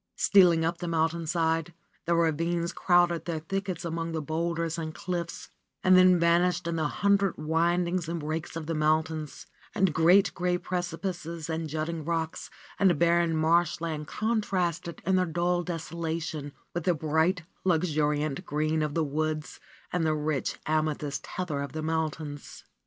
Stealing up the mountainside, the ravines crowded their thickets among the boulders and cliffs and then vanished in the hundred windings and breaks of the mountains, and great gray precipices and jutting rocks and barren marshland contrasted in their dull desolation with the bright, luxuriant green of the woods and the rich amethyst heather of the mountains.